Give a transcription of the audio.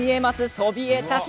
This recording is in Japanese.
そびえ立つ